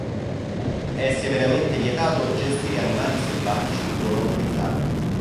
È severamente vietato gestire animali selvatici non autorizzati.